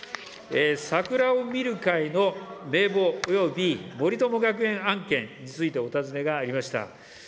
桜を見る会の名簿および森友学園案件についてお尋ねがありました。